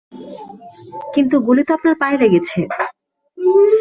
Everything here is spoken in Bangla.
কিন্তু গুলি তো আপনার পায়ে লেগেছে।